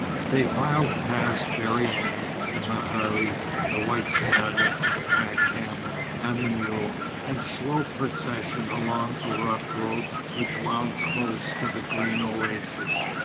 They filed past Berryan; the meharis, the white stallion, the pack camel, and the mule, in slow procession, along a rough road which wound close to the green oasis.